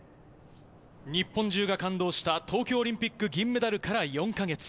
日本中が感動した東京オリンピック銀メダルから４か月。